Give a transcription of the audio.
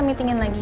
meeting lagi ya